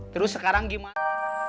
terus sekarang gimana